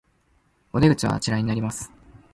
お出口はあちらになります